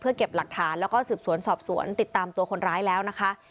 เก็บหลักฐานแล้วก็สืบสวนสอบสวนติดตามตัวคนร้ายแล้วนะคะ